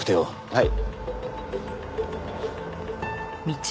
はい。